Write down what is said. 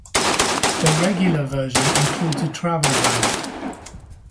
The Regular Version includes a travel bag.